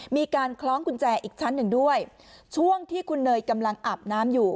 มีการคล้องกุญแจอีกชั้นหนึ่งด้วยช่วงที่คุณเนยกำลังอาบน้ำอยู่